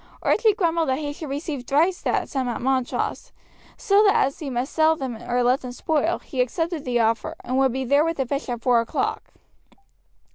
Archie grumbled that he should receive thrice that sum at Montrose; still that as he must sell them or let them spoil, he accepted the offer, and would be there with the fish at four o'clock.